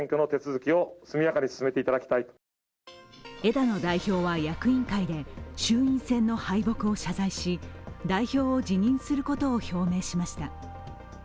枝野代表は役員会で衆院選の敗北を謝罪し代表を辞任することを表明しました。